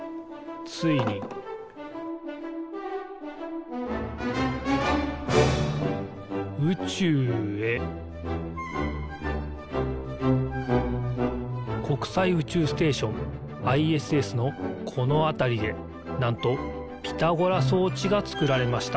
ついに宇宙へ国際宇宙ステーションＩＳＳのこのあたりでなんとピタゴラそうちがつくられました。